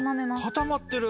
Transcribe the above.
固まってる！